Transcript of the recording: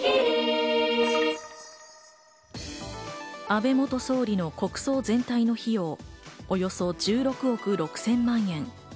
安倍元総理の国葬全体の費用、およそ１６億６０００万円。